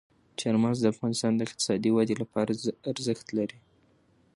چار مغز د افغانستان د اقتصادي ودې لپاره ارزښت لري.